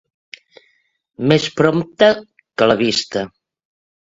Més prompte que la vista.